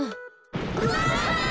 うわ！